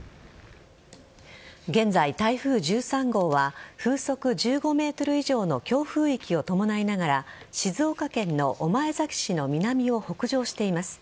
現在、台風１３号は風速１５メートル以上の強風域を伴いながら静岡県の御前崎市の南を北上しています。